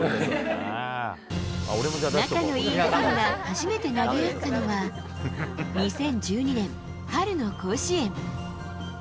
仲のいい２人が初めて投げ合ったのは、２０１２年、春の甲子園。